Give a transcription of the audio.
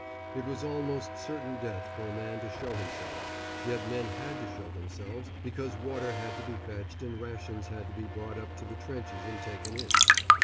It was almost certain death for a man to show himself, yet men had to show themselves, because water had to be fetched and rations had to be brought up to the trenches and taken in.